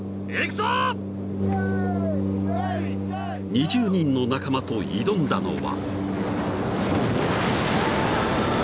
［２０人の仲間と挑んだのは］